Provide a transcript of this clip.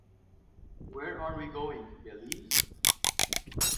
Where are we going Belize?